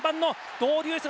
ドウデュースだ！